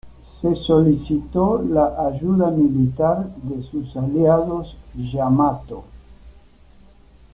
Se solicitó la ayuda militar de sus aliados Yamato.